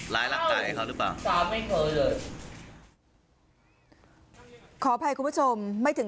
ร้ายร่างกายของเขาหรือเปล่าอ้าไม่เคยเลย